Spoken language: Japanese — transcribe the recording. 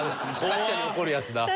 作者に怒るやつだ。